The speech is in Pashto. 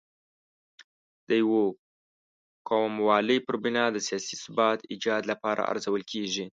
د یو قوموالۍ پر بنا د سیاسي ثبات ایجاد لپاره ارزول کېږي.